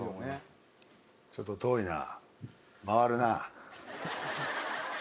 ちょっと遠いな。